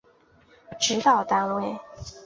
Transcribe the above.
指导单位